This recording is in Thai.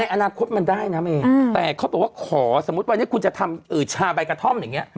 อนาคตมันได้นะเมแต่เขาบอกว่าขอสมมุติวันนี้คุณจะทำชาใบกระท่อมอย่างนี้